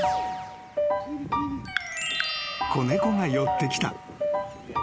［子猫が寄ってきた］